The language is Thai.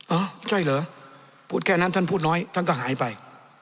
เออใช่เหรอพูดแค่นั้นท่านพูดน้อยท่านก็หายไป